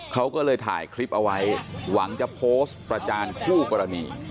เขาก็เลยถ่ายคลิปเอาไว้หวังจะโพสต์ประจานคู่กรณี